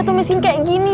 saya mau keluar